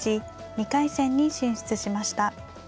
２回戦に進出しました。